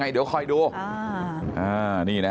แล้วผมเป็นเพื่อนกับพระนกแต่ผมก็ไม่เคยช่วยเหลือเสียแป้ง